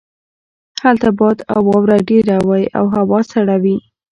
هلته باد او واوره ډیره وی او هوا سړه وي